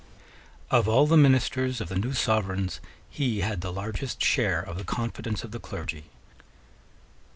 Of all the ministers of the new Sovereigns, he had the largest share of the confidence of the clergy.